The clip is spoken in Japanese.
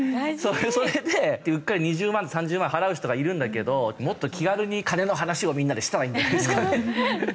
それでうっかり２０万３０万払う人がいるんだけどもっと気軽に金の話をみんなでしたらいいんじゃないですかね。